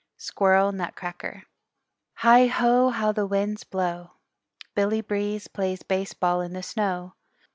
SQUIRREL NUTCRACKER Heigh ho, how the winds blow! Billy Breeze plays baseball in the snow.